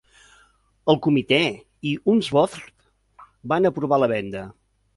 El comitè i Unsworth van aprovar la venda.